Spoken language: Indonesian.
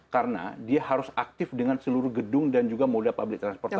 karena dia harus aktif dengan seluruh gedung dan juga modal public transportasi